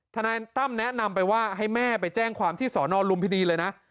ทนายตั้มแนะนำไปว่าให้แม่ไปแจ้งความที่สอนอลุมพินีเลยนะ